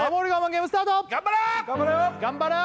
ゲームスタート頑張れ！